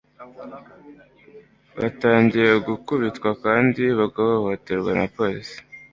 batangiye gukubitwa kandi bagahohoterwa n abapolisi